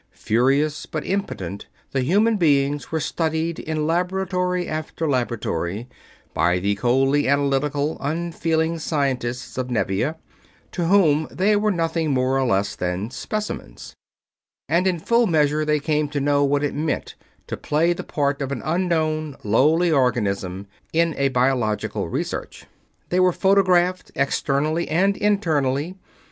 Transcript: Furious but impotent, the human beings were studied in laboratory after laboratory by the coldly analytical, unfeeling scientists of Nevia, to whom they were nothing more or less than specimens; and in full measure they came to know what it meant to play the part of an unknown, lowly organism in a biological research. They were photographed, externally and internally.